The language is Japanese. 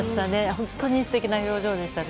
本当に素敵な表情でしたね。